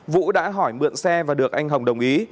vũ đã hỏi mượn xe và được anh hồng đồng ý